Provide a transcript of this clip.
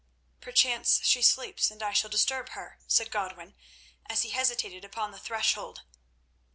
"Perchance she sleeps, and I shall disturb her," said Godwin, as he hesitated upon the threshold.